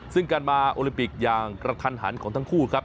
ซึ่งการมาโอลิมปิกอย่างกระทันหันของทั้งคู่ครับ